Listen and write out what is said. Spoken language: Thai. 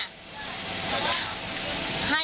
ก็คุยกันสักพักนึงแต่พี่ตำรวจเขาก็อดลงแล้วเพราะว่าคนดูเยอะแล้ว